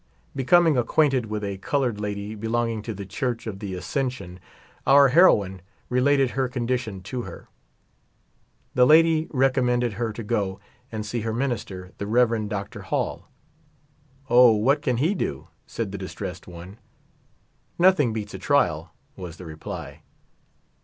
Becoming acquainted with a colored lady be longing to the Church of the Asscension, our heroine re h\ted her condition to her. The lady recommended her to go and see her minister, the Rev. Dr. Hall, " Oh ! what can he do ?" said the distressed one. "Nothing beats a trial," was the reply.